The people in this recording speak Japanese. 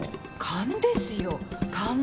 勘ですよ勘。